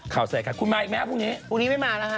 ข่าวใส่ไข่คุณมาอีกไหมฮะพรุ่งนี้พรุ่งนี้ไม่มาแล้วค่ะ